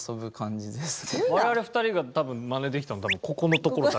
ほんと我々２人が多分真似できたの多分ここのところだけです。